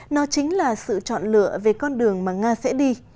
nó chính là sự chọn lựa về con đường mà nga sẽ đi